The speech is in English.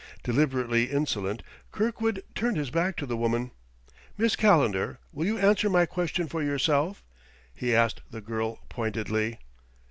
Deliberately insolent, Kirkwood turned his back to the woman. "Miss Calendar, will you answer my question for yourself?" he asked the girl pointedly.